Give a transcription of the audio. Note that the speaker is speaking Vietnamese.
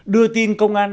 đưa tin công an